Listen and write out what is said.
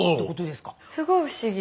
すごい不思議。